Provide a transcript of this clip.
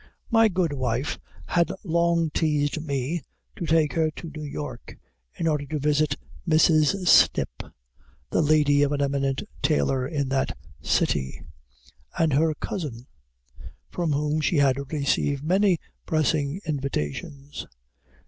My good wife had long teased me to take her to New York, in order to visit Mrs. Snip, the lady of an eminent taylor in that city, and her cousin; from whom she had received many pressing invitations.